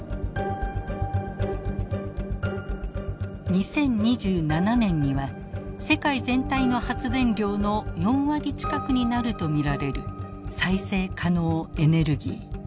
２０２７年には世界全体の発電量の４割近くになると見られる再生可能エネルギー。